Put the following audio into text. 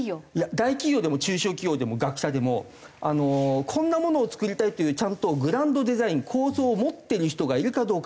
大企業でも中小企業でも学者でもこんなものを作りたいっていうちゃんとグランドデザイン構想を持ってる人がいるかどうか。